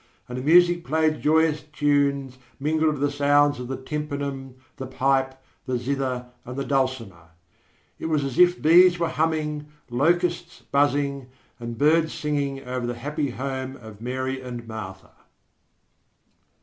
And the music played joyous tunes mingled of the sounds of the tympanum, the pipe, the zither and the dulcimer. It was as if bees were humming, locusts buzzing and birds singing over the happy home of Mary and Martha.